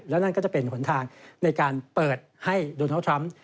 แล้วนั่นก็จะเป็นหนทางในการเปิดให้โดนัลด์ทรัมป์